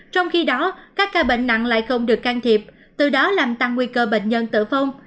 trong khi đó các ca bệnh nặng lại không được can thiệp từ đó làm tăng nguy cơ bệnh nhân tử vong